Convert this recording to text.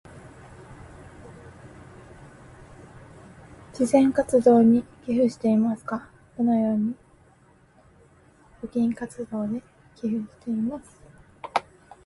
事前活動に寄付していますかどのように